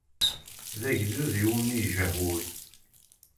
D agdud iwumi i ijaḥ wul.